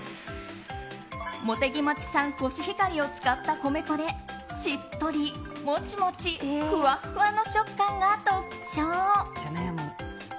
茂木町産コシヒカリを使った米粉でしっとりもちもちふわっふわの食感が特徴。